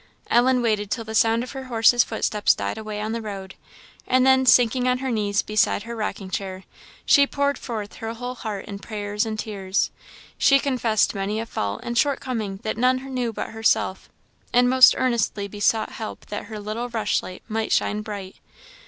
Ellen waited till the sound of her horse's footsteps died away on the road; and then, sinking on her knees beside her rocking chair, she poured forth her whole heart in prayers and tears. She confessed many a fault and short coming that none knew but herself; and most earnestly besought help that "her little rushlight might shine bright."